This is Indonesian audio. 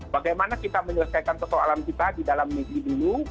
bagaimana kita menyelesaikan persoalan kita di dalam negeri dulu